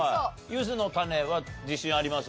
ゆずの種は自信あります？